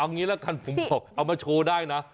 เอางี้ละกันผมบอกเอามาโชว์ได้นะ